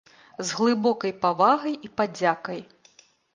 З глыбокай павагай і падзякай.